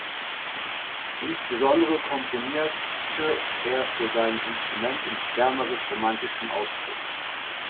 Insbesondere komponierte er für sein Instrument in schwärmerisch romantischem Ausdruck.